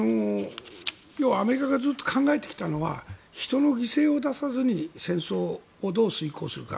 要はアメリカがずっと考えてきたのは人の犠牲を出さずに戦争をどう遂行するか。